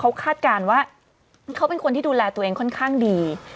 เขาคาดการณ์ว่าเขาเป็นคนที่ดูแลตัวเองค่อนข้างดี